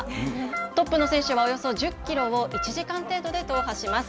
トップの選手はおよそ１０キロを１時間程度で踏破します。